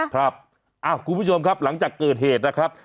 คุณผู้ชมครับหลังจากเกิดเหตุนะครับ